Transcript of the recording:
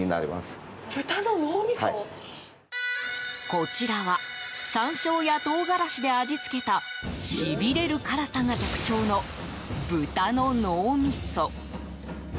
こちらは山椒や唐辛子で味付けたしびれる辛さが特徴の豚の脳みそ。